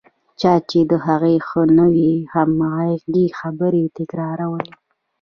چا چې د هغه ښه نه ویل هماغه خبرې تکرارولې.